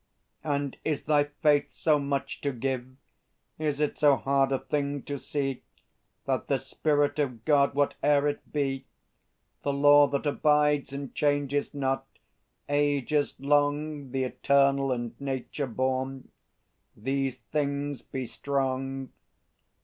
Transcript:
And is thy Faith so much to give, Is it so hard a thing to see, That the Spirit of God, whate'er it be, The Law that abides and changes not, ages long, The Eternal and Nature born these things be strong?